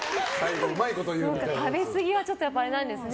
食べすぎはちょっとあれなんですね。